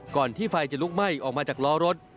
ที่ไฟจะลุกไหม้ออกมาจากล้อรถ